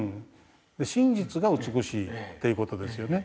真実が美しいっていう事ですよね。